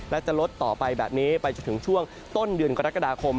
และจะลดต่อไปแบบนี้ไปจนถึงช่วงต้นเดือนกรกฎาคม